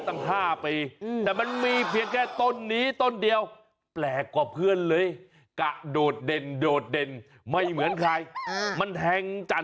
ชาวบ้านที่พวกเห็นตื่นตาตื่นใจ